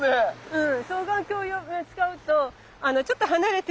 うん。